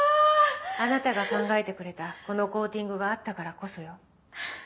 あなたが考えてくれたこのコーティングがあったからこそよ。